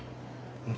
うん。